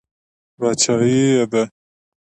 باچایي یې ده.